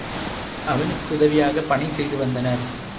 அவனுக்கு உதவியாகப் பணி செய்து வந்தனர்.